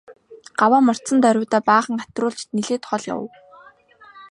Гаваа мордсон даруйдаа баахан хатируулж нэлээд хол явав.